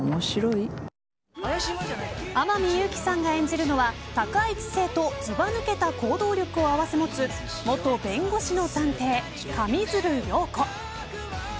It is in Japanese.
天海祐希さんが演じるのは高い知性とずば抜けた行動力を併せ持つ元弁護士の探偵、上水流涼子。